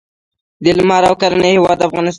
د لمر او کرنې هیواد افغانستان.